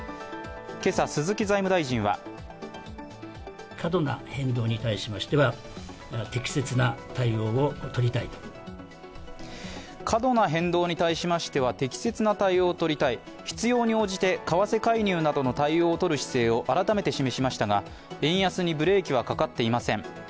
今朝、鈴木財務大臣は過度な変動に対しましては適切な対応をとりたい必要に応じて為替介入などの対応を取る姿勢を改めて示しましたが円安にブレーキはかかっていません。